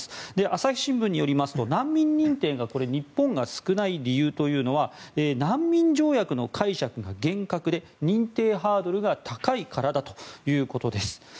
朝日新聞によりますと難民認定が日本が少ない理由というのは難民条約の解釈が厳格で認定ハードルが高いからだということです。